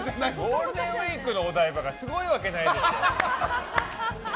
ゴールデンウィークのお台場がすごいわけないでしょ。